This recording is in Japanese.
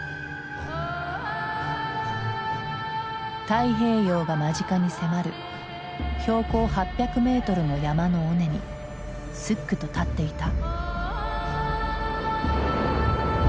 太平洋が間近に迫る標高８００メートルの山の尾根にすっくと立っていた。